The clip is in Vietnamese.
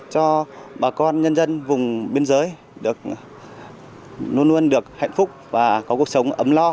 cho bà con nhân dân vùng biên giới luôn luôn được hạnh phúc và có cuộc sống ấm lo